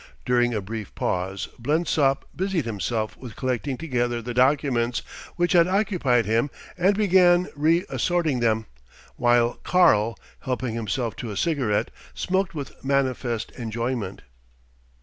During a brief pause Blensop busied himself with collecting together the documents which had occupied him and began reassorting them, while "Karl," helping himself to a cigarette, smoked with manifest enjoyment.